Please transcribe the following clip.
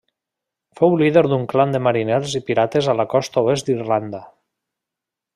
Fou líder d'un clan de mariners i pirates a la costa oest d'Irlanda.